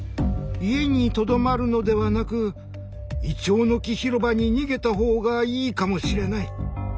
家にとどまるのではなくいちょうの木広場に逃げた方がいいかもしれない。